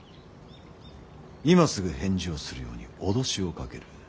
今すぐ返事をするように脅しをかける。